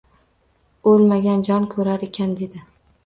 — O’lmagan jon ko‘rar ekan! — dedi.